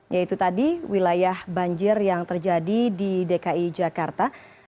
yaitu tadi wilayah banjir yang terjadi di dki jakarta